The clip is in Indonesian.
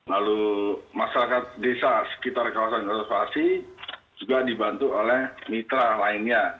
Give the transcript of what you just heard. lalu masyarakat desa sekitar kawasan konservasi juga dibantu oleh mitra lainnya